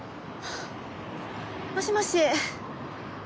もしもし？